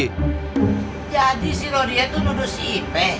jadi si rodie tuh nuduh si ipe